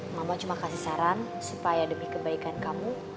mama cuma kasih saran supaya demi kebaikan kamu